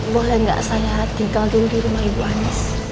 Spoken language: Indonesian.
boleh gak saya tinggal dulu di rumah ibu andi